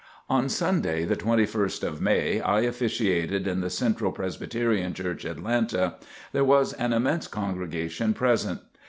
On Sunday, the 21st of May, I officiated in the Central Presbyterian Church, Atlanta. There was an immense congregation present.